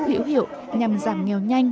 hữu hiệu nhằm giảm nghèo nhanh